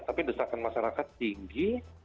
tapi desakan masyarakat tinggi